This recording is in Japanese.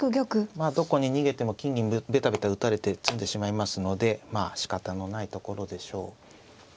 まあどこに逃げても金銀ベタベタ打たれて詰んでしまいますのでまあしかたのないところでしょう。